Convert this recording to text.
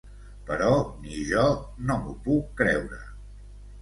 Però ni jo no m'ho puc creure.